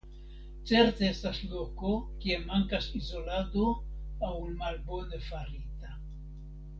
Certe estas loko kie mankas izolado aŭ malbone farita.